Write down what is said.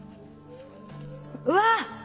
うわ！